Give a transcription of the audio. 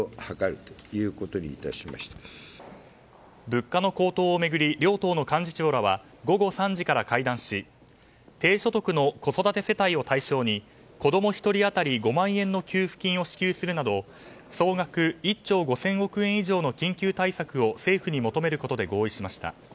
物価の高騰を巡り両党の幹事長らは午後３時から会談し低所得の子育て世帯を対象に子供１人当たり５万円の給付金を支給するなど総額１兆５０００億円以上の緊急対策を政府に求めることで合意しました。